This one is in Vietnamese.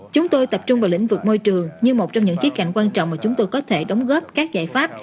chúng tôi tập trung vào lĩnh vực môi trường như một trong những chiếc cảnh quan trọng mà chúng tôi có thể đóng góp các giải pháp